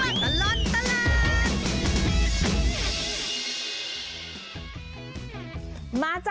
ชั่วตลอดตลาด